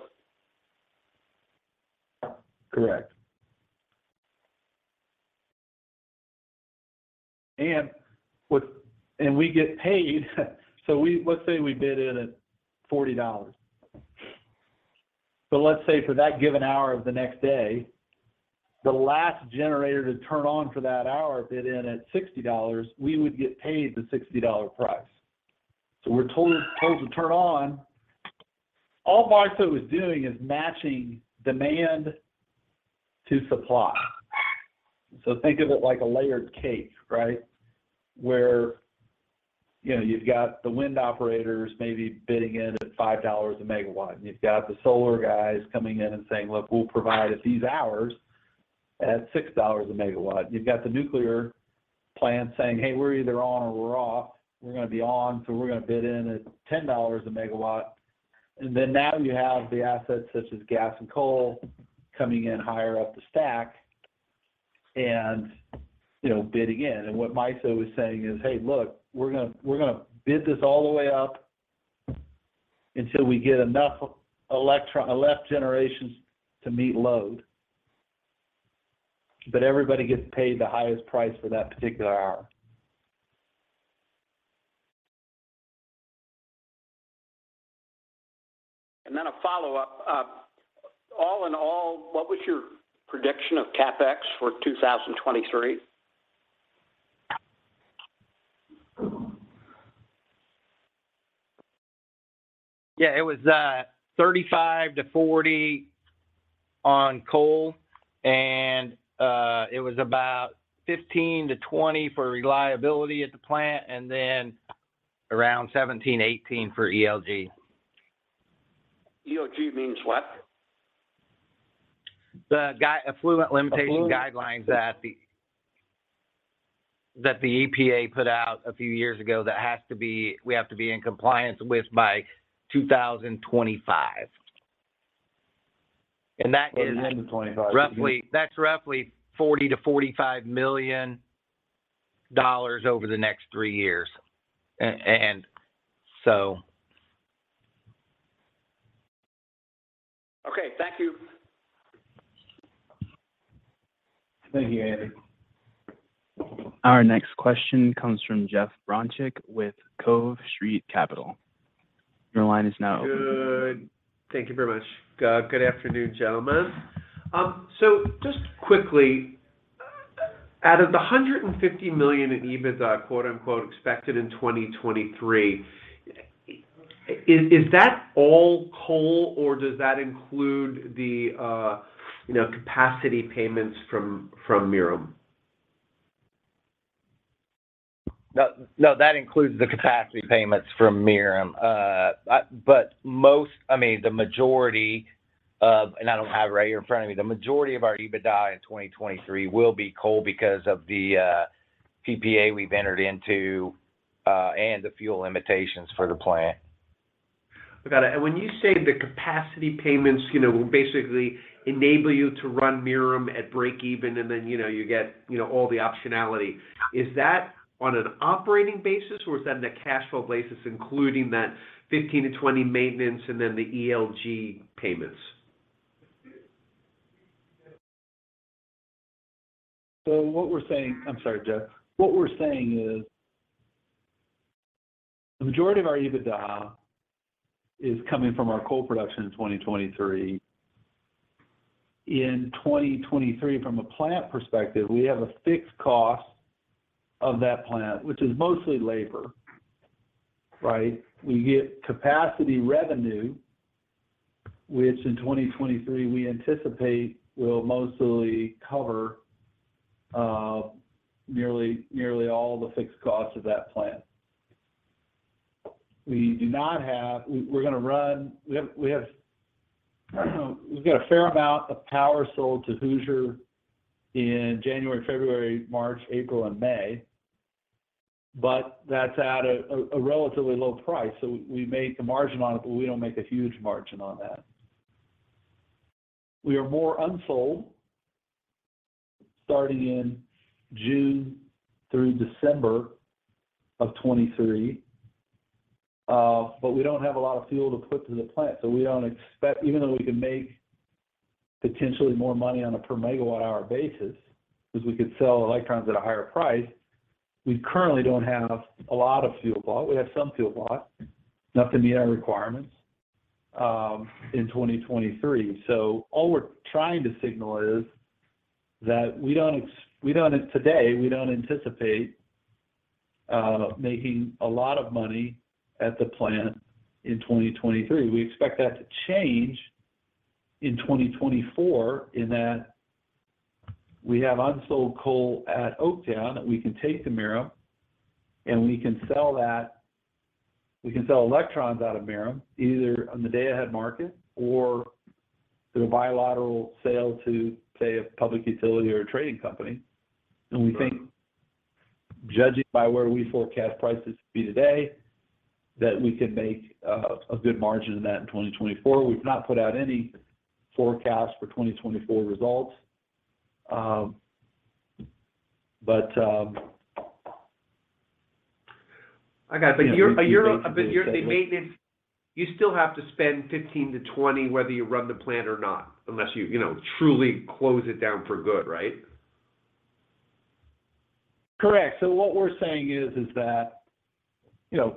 Correct. We get paid. Let's say we bid in at $40. Let's say for that given hour of the next day, the last generator to turn on for that hour bid in at $60, we would get paid the $60 price. We're told to turn on. All MISO is doing is matching demand to supply. Think of it like a layered cake, right? Where, you know, you've got the wind operators maybe bidding in at $5/MW. You've got the solar guys coming in and saying, "Look, we'll provide at these hours at $6/MW." You've got the nuclear plant saying, "Hey, we're either on or we're off. We're going to be on, so we're going to bid in at $10/MW. Then now you have the assets such as gas and coal coming in higher up the stack and, you know, bidding in. What MISO is saying is, "Hey, look, we're going to bid this all the way up until we get enough generation to meet load." But everybody gets paid the highest price for that particular hour. A follow-up. All in all, what was your prediction of CapEx for 2023? Yeah. It was 35-40 on coal, and it was about 15-20 for reliability at the plant, and then around 17-18 for ELG. ELG means what? Effluent limitation guidelines that the EPA put out a few years ago that we have to be in compliance with by 2025. Oh, 2025. That's roughly $40 million-$45 million over the next three years. And so. Okay. Thank you. Thank you, Andrew. Our next question comes from Jeff Bronchick with Cove Street Capital. Your line is now open. Good. Thank you very much. Good afternoon, gentlemen. Just quickly, out of the $150 million in EBITDA, quote unquote, "expected in 2023," is that all coal, or does that include the, you know, capacity payments from Merom? No, no, that includes the capacity payments from Merom. The majority of our EBITDA in 2023 will be coal because of the PPA we've entered into, and the fuel limitations for the plant. Got it. When you say the capacity payments, you know, will basically enable you to run Merom at breakeven and then, you know, you get, you know, all the optionality, is that on an operating basis, or is that in a cash flow basis including that $15-$20 maintenance and then the ELG payments? I'm sorry, Jeff. What we're saying is, the majority of our EBITDA is coming from our coal production in 2023. In 2023 from a plant perspective, we have a fixed cost of that plant, which is mostly labor, right? We get capacity revenue, which in 2023 we anticipate will mostly cover nearly all the fixed costs of that plant. We have a fair amount of power sold to Hoosier in January, February, March, April, and May, but that's at a relatively low price. We make a margin on it, but we don't make a huge margin on that. We are more unsold starting in June through December of 2023, but we don't have a lot of fuel to put to the plant. We don't expect, even though we can make potentially more money on a per megawatt hour basis, 'cause we could sell electrons at a higher price, we currently don't have a lot of fuel bought. We have some fuel bought, enough to meet our requirements, in 2023. All we're trying to signal is that we don't anticipate, today, making a lot of money at the plant in 2023. We expect that to change in 2024 in that we have unsold coal at Oaktown that we can take to Merom, and we can sell that. We can sell electrons out of Merom either on the day-ahead market or through a bilateral sale to, say, a public utility or a trading company. We think, judging by where we forecast prices to be today, that we can make a good margin in that in 2024. We've not put out any forecast for 2024 results, but I got it. The maintenance, you still have to spend $15-$20 whether you run the plant or not, unless you know, truly close it down for good, right? Correct. What we're saying is that, you know,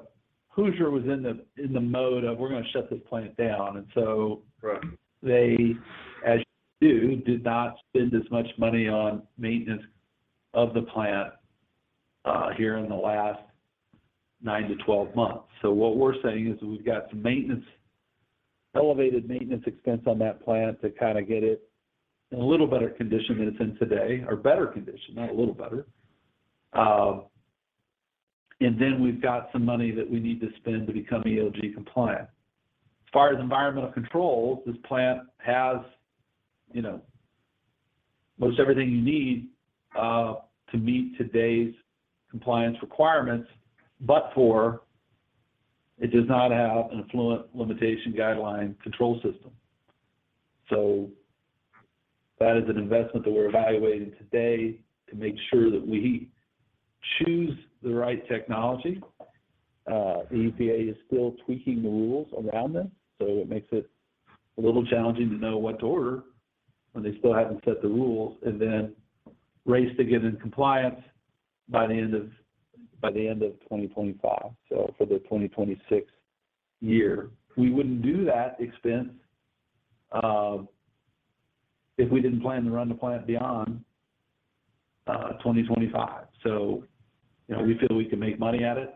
Hoosier was in the mode of, "We're gonna shut this plant down. Right. They, as you do, did not spend as much money on maintenance of the plant here in the last nine to 12 months. What we're saying is we've got some maintenance, elevated maintenance expense on that plant to kind of get it in better condition than it's in today. We've got some money that we need to spend to become ELG compliant. As far as environmental controls, this plant has, you know, most everything you need to meet today's compliance requirements, but it does not have an effluent limitation guideline control system. That is an investment that we're evaluating today to make sure that we choose the right technology. The EPA is still tweaking the rules around this, so it makes it a little challenging to know what to order when they still haven't set the rules. Then race to get in compliance by the end of 2025. For the 2026 year. We wouldn't do that expense if we didn't plan to run the plant beyond 2025. You know, we feel we can make money at it.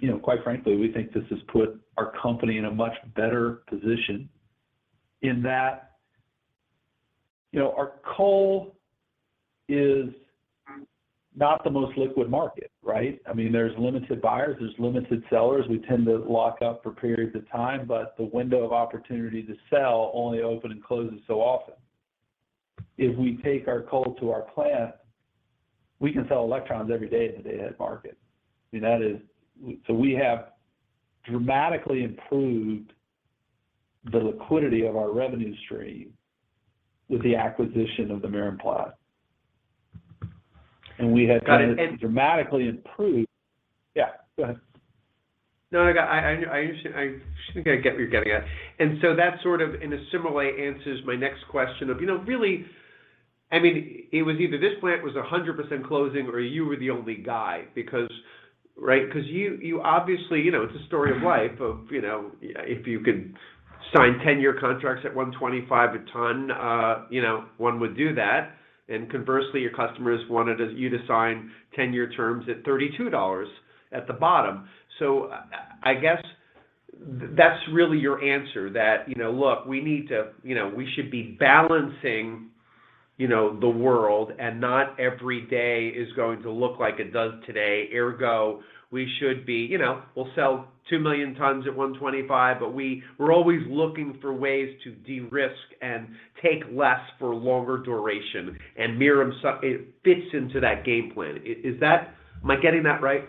You know, quite frankly, we think this has put our company in a much better position in that, you know, our coal is not the most liquid market, right? I mean, there's limited buyers, there's limited sellers. We tend to lock up for periods of time, but the window of opportunity to sell only opens and closes so often. If we take our coal to our plant, we can sell electrons every day in the day-ahead market. I mean, we have dramatically improved the liquidity of our revenue stream with the acquisition of the Merom plant. We have had Got it. Dramatically improved. Yeah, go ahead. No, I understand. I think I get what you're getting at. That sort of, in a similar way, answers my next question of, you know, really—I mean, it was either this plant was 100% closing or you were the only guy because, right? Because you obviously, you know, it's a story of life of, you know, if you could sign ten-year contracts at $125 a ton, you know, one would do that. Conversely, your customers wanted you to sign ten-year terms at $32 at the bottom. I guess that's really your answer that, you know, look, we need to, you know, we should be balancing, you know, the world, and not every day is going to look like it does today. Ergo, we should be, you know, we'll sell 2 million tons at $125, but we're always looking for ways to de-risk and take less for longer duration. Merom it fits into that game plan. Is that Am I getting that right?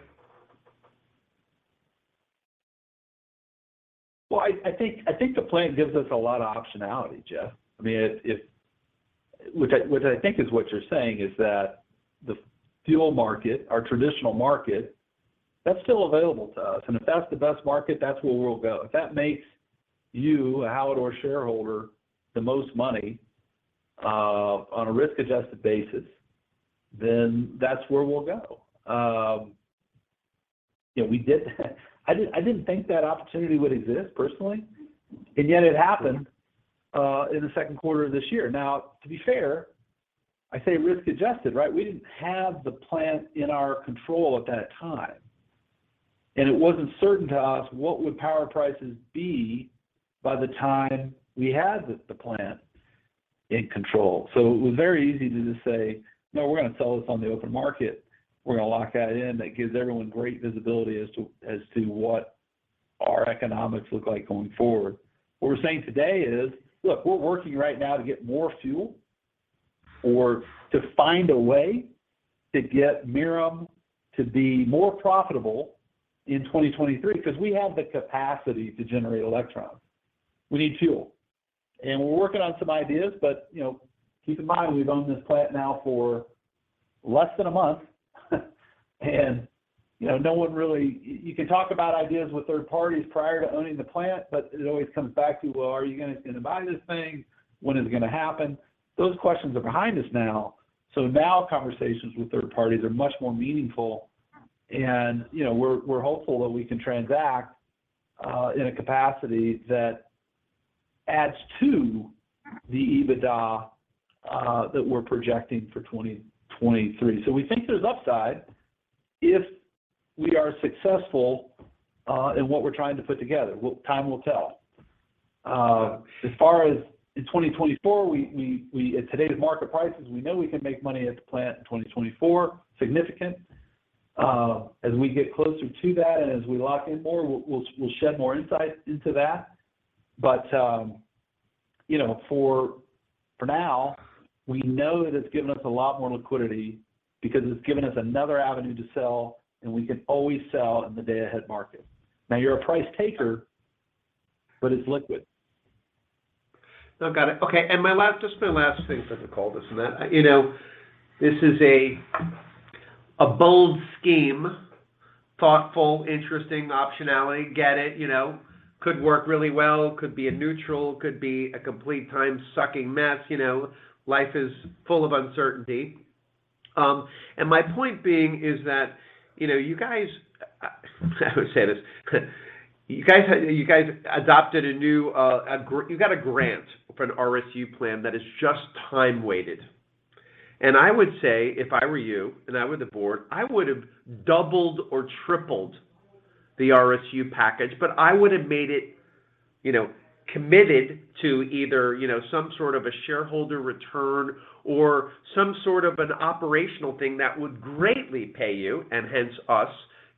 Well, I think the plant gives us a lot of optionality, Jeff. I mean, which I think is what you're saying is that the fuel market, our traditional market, that's still available to us. If that's the best market, that's where we'll go. If that makes you, a Hallador shareholder, the most money, on a risk-adjusted basis, then that's where we'll go. I didn't think that opportunity would exist personally, and yet it happened in the second quarter of this year. Now, to be fair, I say risk-adjusted, right? We didn't have the plant in our control at that time, and it wasn't certain to us what would power prices be by the time we had the plant in control. It was very easy to just say, "No, we're gonna sell this on the open market. We're gonna lock that in." That gives everyone great visibility as to what our economics look like going forward. What we're saying today is, look, we're working right now to get more fuel or to find a way to get Merom to be more profitable in 2023, because we have the capacity to generate electrons. We need fuel. We're working on some ideas, but, you know, keep in mind, we've owned this plant now for less than a month. You know, no one really—you can talk about ideas with third parties prior to owning the plant, but it always comes back to, well, are you gonna buy this thing? When is it gonna happen? Those questions are behind us now. Now conversations with third parties are much more meaningful. You know, we're hopeful that we can transact in a capacity that adds to the EBITDA that we're projecting for 2023. We think there's upside if we are successful in what we're trying to put together. Time will tell. As far as in 2024. At today's market prices, we know we can make money at the plant in 2024, significant. As we get closer to that and as we lock in more, we'll shed more insight into that. You know, for now, we know that it's given us a lot more liquidity because it's given us another avenue to sell, and we can always sell in the day-ahead market. Now you're a price taker, but it's liquid. No, got it. Okay, just my last thing for the call. This and that. You know, this is a bold scheme, thoughtful, interesting optionality. Get it, you know? Could work really well, could be a neutral, could be a complete time-sucking mess. You know, life is full of uncertainty. My point being is that, you know, I would say this. You got a grant for an RSU plan that is just time-weighted. I would say, if I were you and I were the board, I would have doubled or tripled the RSU package, but I would have made it, you know, committed to either, you know, some sort of a shareholder return or some sort of an operational thing that would greatly pay you, and hence us,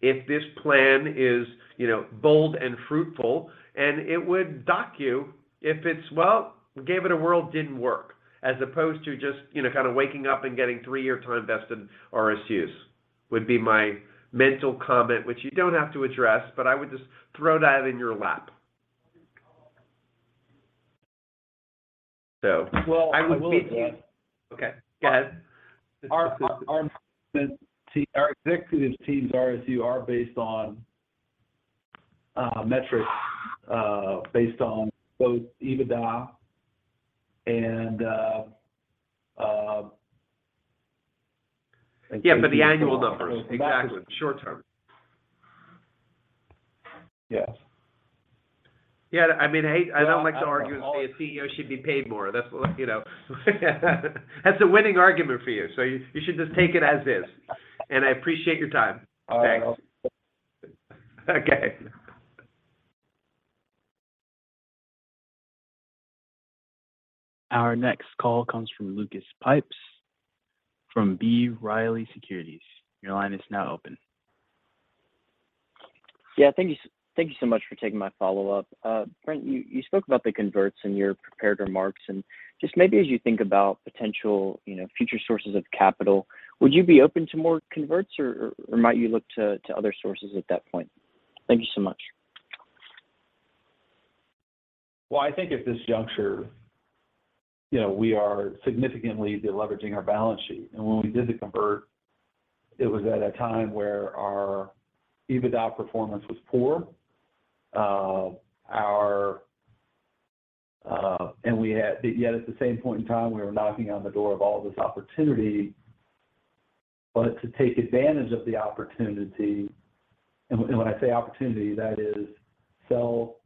if this plan is, you know, bold and fruitful. It would dock you if it's, well, gave it a whirl, didn't work, as opposed to just, you know, kind of waking up and getting three-year time-vested RSUs. Would be my mental comment, which you don't have to address, but I would just throw that in your lap. Well, I will say. Okay, go ahead. Our executive team's RSU are based on metrics based on both EBITDA and. Yeah, the annual numbers. Exactly. Short term. Yes. Yeah. I mean, I don't like to argue and say a CEO should be paid more. That's, you know, that's a winning argument for you, so you should just take it as is. I appreciate your time. Thanks. All right. Okay. Our next call comes from Lucas Pipes from B. Riley Securities. Your line is now open. Yeah. Thank you so much for taking my follow-up. Brent, you spoke about the converts in your prepared remarks. Just maybe as you think about potential, you know, future sources of capital, would you be open to more converts or might you look to other sources at that point? Thank you so much. Well, I think at this juncture, you know, we are significantly deleveraging our balance sheet. When we did the convert, it was at a time where our EBITDA performance was poor. Yet at the same point in time, we were knocking on the door of all this opportunity. To take advantage of the opportunity, and when I say opportunity, that is sell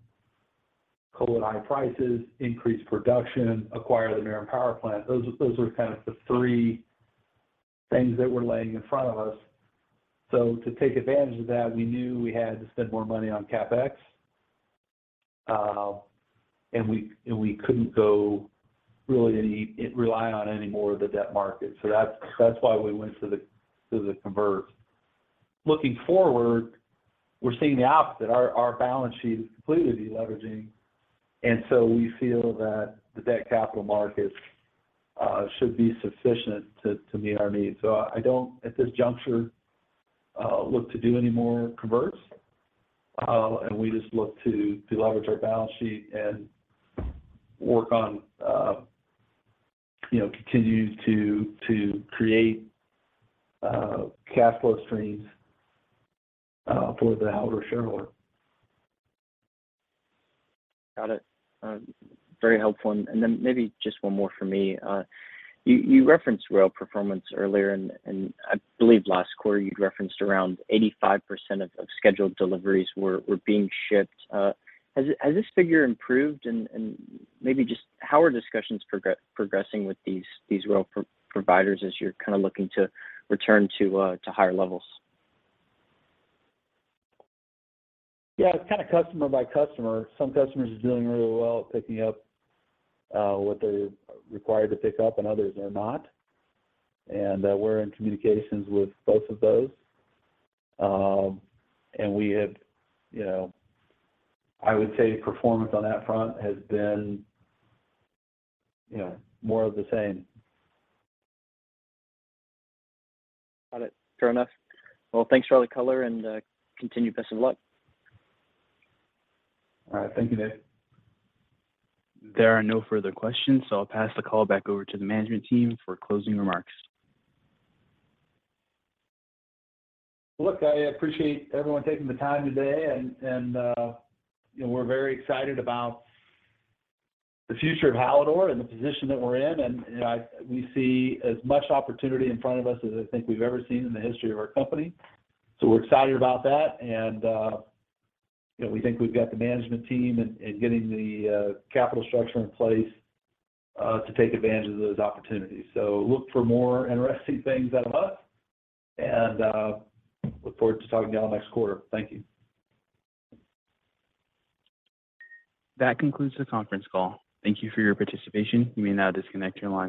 coal at high prices, increase production, acquire the Merom Power Plant. Those are kind of the three things that were laying in front of us. To take advantage of that, we knew we had to spend more money on CapEx, and we couldn't really rely on any more of the debt market. That's why we went to the convert. Looking forward, we're seeing the opposite. Our balance sheet is completely deleveraging, and so we feel that the debt capital markets should be sufficient to meet our needs. I don't, at this juncture, look to do any more converts, and we just look to deleverage our balance sheet and work on, you know, continue to create cash flow streams for the Hallador shareholder. Got it. Very helpful. Maybe just one more from me. You referenced rail performance earlier, and I believe last quarter you referenced around 85% of scheduled deliveries were being shipped. Has this figure improved? Maybe just how are discussions progressing with these rail providers as you're kind of looking to return to higher levels? Yeah. It's kind of customer by customer. Some customers are doing really well at picking up what they're required to pick up, and others are not. We're in communications with both of those. We have, you know, I would say performance on that front has been, you know, more of the same. Got it. Fair enough. Well, thanks for all the color and continued best of luck. All right. Thank you, Nick. There are no further questions, so I'll pass the call back over to the management team for closing remarks. Look, I appreciate everyone taking the time today, you know, we're very excited about the future of Hallador and the position that we're in. You know, we see as much opportunity in front of us as I think we've ever seen in the history of our company. We're excited about that, you know, we think we've got the management team and getting the capital structure in place to take advantage of those opportunities. Look for more interesting things out of us, and look forward to talking to y'all next quarter. Thank you. That concludes the conference call. Thank you for your participation. You may now disconnect your lines.